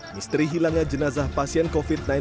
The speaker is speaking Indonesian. misteri hilangnya jenazah pasien covid sembilan belas